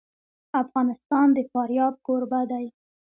افغانستان د فاریاب کوربه دی.